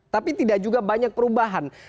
tapi tidak juga banyak perubahan